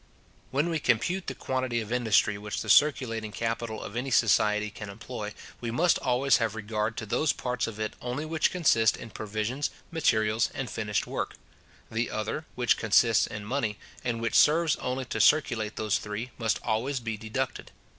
When we compute the quantity of industry which the circulating capital of any society can employ, we must always have regard to those parts of it only which consist in provisions, materials, and finished work; the other, which consists in money, and which serves only to circulate those three, must always be deducted.